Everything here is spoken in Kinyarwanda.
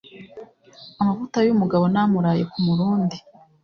amavuta y'umugabo ni amuraye ku murundi